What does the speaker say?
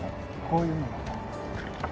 こういうのが。